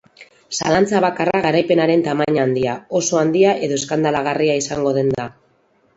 Zalantza bakarra garaipenaren tamaina handia, oso handia edo eskandalagarria izango den da.